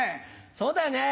そうだよね。